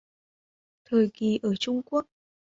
Thời kỳ ở Trung Quốc